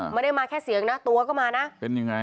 ไม่ได้มาแค่เสียงนะตัวก็มานะ